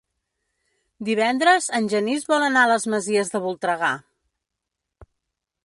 Divendres en Genís vol anar a les Masies de Voltregà.